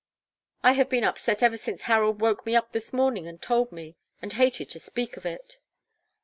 I have been upset ever since Harold woke me up this morning and told me; and hated to speak of it."